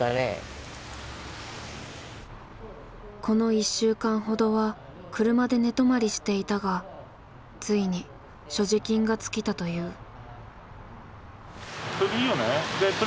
この１週間ほどは車で寝泊まりしていたがついに所持金が尽きたという。